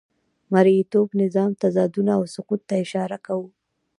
د مرئیتوب نظام تضادونه او سقوط ته اشاره کوو.